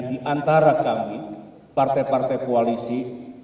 di antara kami partai partai koalisi